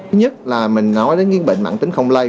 thứ nhất là mình nói đến cái bệnh mạng tính không lây